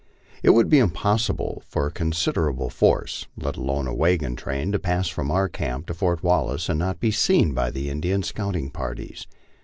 It would be impossible for a considerable force, let alone a wagon train, to pass from our camp to Fort Wallace and not be seen by the Indian scouting parties.